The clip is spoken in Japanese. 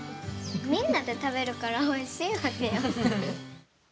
みんなで食べるからおいしいわけよ。